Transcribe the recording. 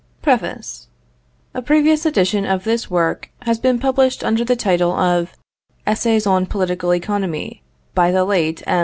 PREFACE. A previous edition of this work has been published under the title of "Essays on Political Economy, by the late M.